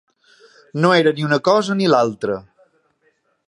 No era ni una cosa ni l'altra.